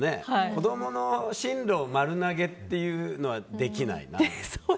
子供の進路丸投げというのはできないな。